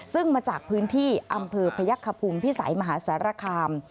ซึ่งมาจากพื้นที่อำเภอพยักษภูมิพิสัยมหาสารคาม